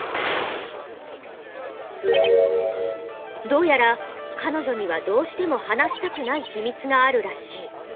どうやら彼女にはどうしても話したくない秘密があるらしい。